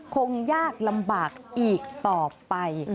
คงยากลำบากอีกต่อไป